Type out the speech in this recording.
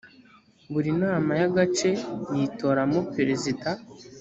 buri nama y agace yitoramo perezida